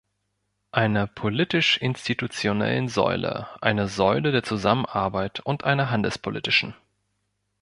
Einer politisch-institutionellen Säule, einer Säule der Zusammenarbeit und einer handelspolitischen.